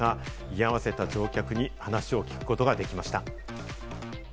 居合わせた乗客に話を聞くことができました。